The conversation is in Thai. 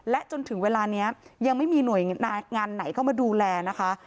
และจนถึงเวลานี้ยังไม่มีหน่วยงานไหนเข้ามาดูแลนะคะ